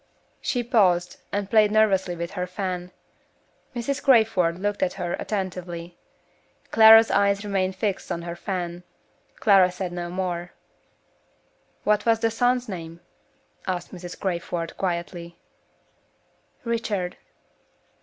She paused, and played nervously with her fan. Mrs. Crayford looked at her attentively. Clara's eyes remained fixed on her fan Clara said no more. "What was the son's name?" asked Mrs. Crayford, quietly. "Richard."